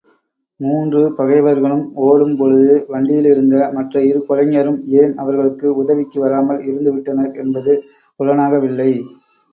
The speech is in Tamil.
மூன்று பகைவர்களும் ஓடும் பொழுது வண்டியிலிருந்த மற்ற இருகொலைஞரும் ஏன் அவர்களுக்கு உதவிக்கு வராமல் இருந்துவிட்டனர் என்பது புலனாகவில்லை.